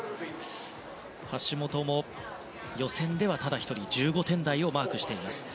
橋本も、予選ではただ１人、１５点台をマーク。